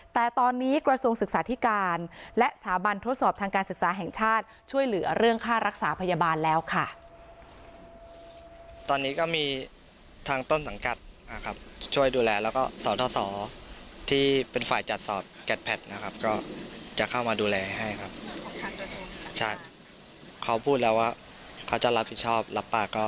แต่ตอนนี้กระทรวงศึกษาธิการและสถาบันทดสอบทางการศึกษาแห่งชาติช่วยเหลือเรื่องค่ารักษาพยาบาลแล้วค่ะ